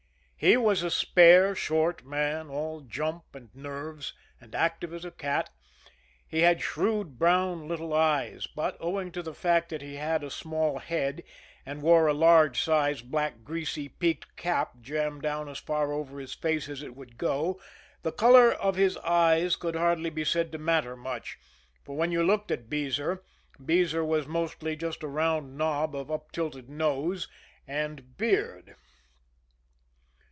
He was a spare, short man, all jump and nerves, and active as a cat. He had shrewd, brown, little eyes, but, owing to the fact that he had a small head and wore a large size, black, greasy peaked cap jammed down as far over his face as it would go, the color of his eyes could hardly be said to matter much, for when you looked at Beezer, Beezer was mostly just a round knob of up tilted nose and beard.